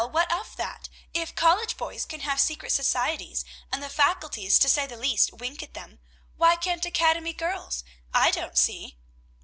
what of that! If college boys can have secret societies, and the Faculties, to say the least, wink at them, why can't academy girls? I don't see!"